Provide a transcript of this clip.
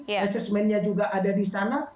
assessmentnya juga ada di sana